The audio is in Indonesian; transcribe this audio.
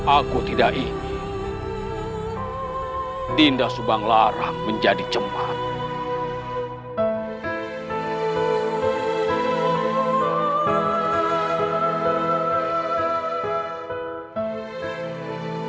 aku tidak ingin dinda subang lara menjadi cemang